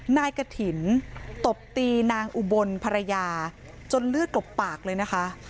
นายกฐินตบตีนางอุบลภรรยาจนเลือดกลบปากเลยนะคะ